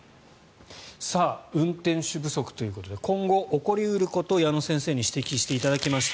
運転手不足ということで今後、起こり得ること矢野先生に指摘していただきました。